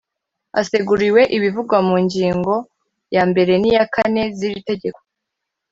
haseguriwe ibivugwa mu ngingo yambere n iya kane z iri tegeko